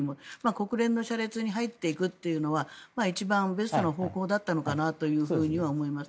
国連の車列に入っていくというのは一番ベストな方法だったのかなとは思います。